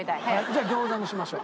じゃあ餃子にしましょう。